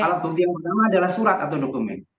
alat bukti yang pertama adalah surat atau dokumen